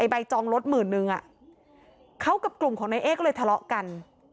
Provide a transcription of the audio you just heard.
ใบจองรถหมื่นนึงเขากับกลุ่มของนายเอ๊ก็เลยทะเลาะกัน